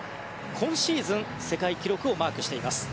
今シーズン世界記録をマークしています。